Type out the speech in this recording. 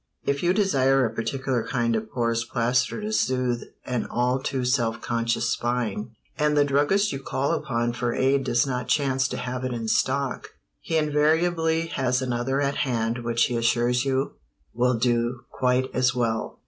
If you desire a particular kind of porous plaster to soothe an all too self conscious spine, and the druggist you call upon for aid does not chance to have it in stock, he invariably has another at hand which he assures you will do quite as well.